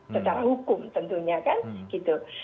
secara hukum tentunya kan gitu